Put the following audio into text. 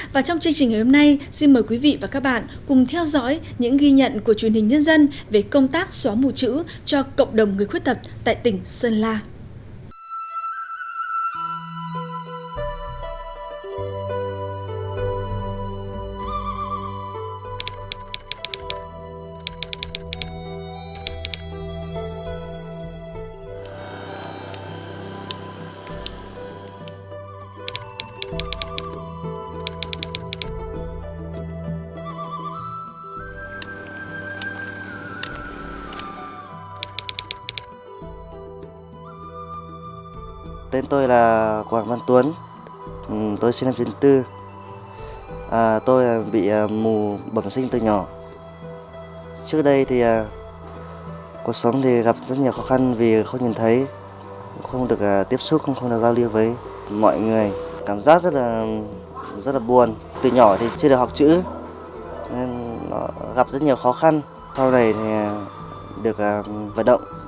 và trong chương trình hôm nay xin mời quý vị và các bạn cùng theo dõi những ghi nhận của truyền hình nhân dân về công tác xóa mùa chữ cho cộng đồng người khuyết tật tại tỉnh sơn la